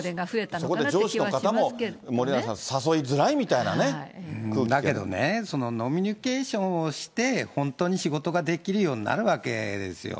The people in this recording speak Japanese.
そこで上司の方も、森永さん、だけどね、飲みニュケーションをして、本当に仕事ができるようになるわけですよ。